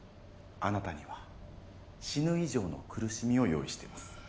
あなたには死ぬ以上の苦しみを用意してます。